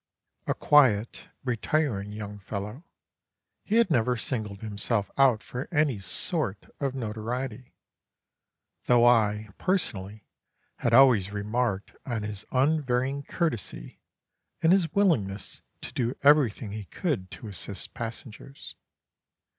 A quiet, retiring young fellow, he had never singled himself out for any sort of notoriety, though I, personally, had always remarked on his unvarying courtesy and his willingness to do everything he could to assist passengers.